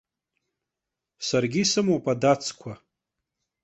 Саргьы исымоуп адацқәа.